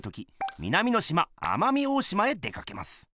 南のしま奄美大島へ出かけます。